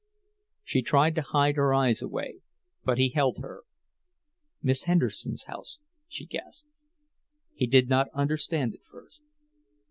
She tried to hide her eyes away, but he held her. "Miss Henderson's house," she gasped. He did not understand at first.